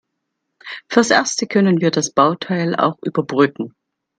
Fürs Erste können wir das Bauteil auch überbrücken.